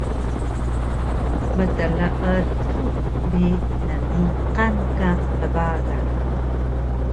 mtleetu bi nniqan ka rbagan